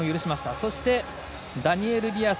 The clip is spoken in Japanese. そして、ダニエル・ディアス